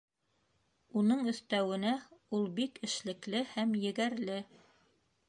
Уның өҫтәүенә, ул бик эшлекле һәм егәрле.